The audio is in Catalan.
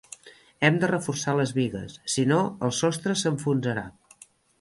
Hem de reforçar les bigues; si no, el sostre s'enfonsarà.